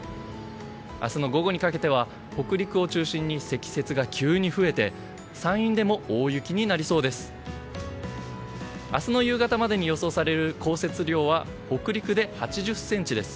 明日の午後にかけては北陸を中心に積雪が急に増えて山陰でも大雪になりそうです。